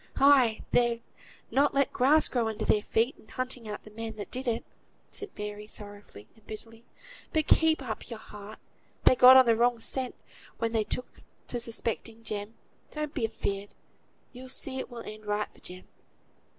"Ay! they've not let grass grow under their feet, in hunting out the man that did it," said Mary, sorrowfully and bitterly. "But keep up your heart. They got on the wrong scent when they took to suspecting Jem. Don't be afeard. You'll see it will end right for Jem."